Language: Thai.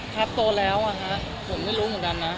ครับโตแล้วอะฮะผมไม่รู้เหมือนกันนะ